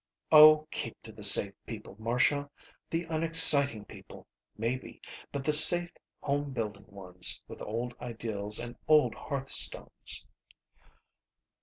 "Oh, keep to the safe people, Marcia! The unexciting people, maybe, but the safe home building ones with old ideals and old hearthstones."